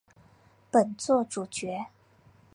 本作主角。